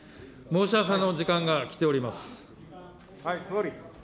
申し合わせの時間がきております。